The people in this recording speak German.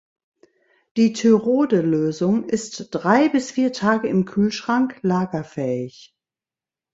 Die Tyrode-Lösung ist drei bis vier Tage im Kühlschrank lagerfähig.